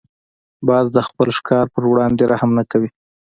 باز د خپل ښکار پر وړاندې رحم نه کوي